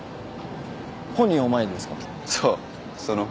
本人を前にですか？